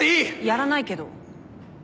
やらないけど。